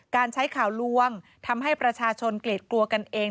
การใช้ข่าวลวงทำให้ประชาชนเกลียดกลัวกันเอง